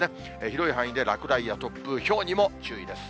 広い範囲で落雷や突風、ひょうにも注意です。